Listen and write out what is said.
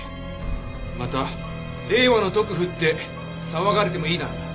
また「令和の毒婦」って騒がれてもいいならな。